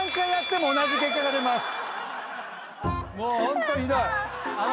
もうホントひどい。